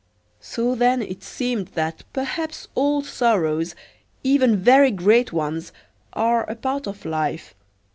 So then it seemed that perhaps all sorrows, even very great ones, are a part of life.